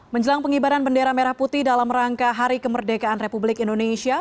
menjelang pengibaran bendera merah putih dalam rangka hari kemerdekaan republik indonesia